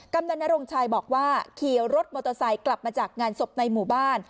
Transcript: กำนันนรงชัยบอกว่าขี่รถมอเตอร์ไซค์กลับมาจากงานศพในหมู่บ้าน